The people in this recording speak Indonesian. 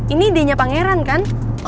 ini idenya pangeran kan